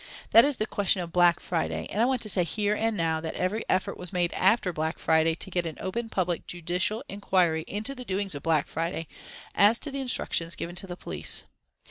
That is the question of 'Black Friday,' and I want to say here and now that every effort was made after 'Black Friday' to get an open public judicial inquiry into the doings of 'Black Friday,' as to the instructions given to the police.